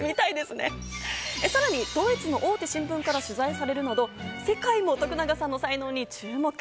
さらにドイツの大手新聞から取材されるなど世界の徳永さんの才能に注目。